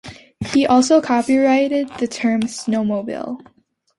He also copyrighted the term "snowmobile".